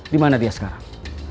di mana dia sekarang